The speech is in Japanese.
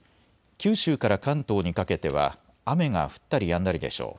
九州から関東にかけては雨が降ったりやんだりでしょう。